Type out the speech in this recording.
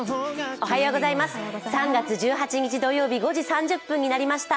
おはようございます、３月１８日土曜日５時３０分になりました。